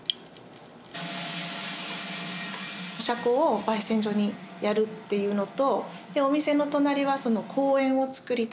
車庫をばい煎所にやるっていうのとお店の隣は公園をつくりたい。